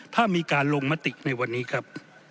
ถ้ามีการลงมติในวันนี้ครับ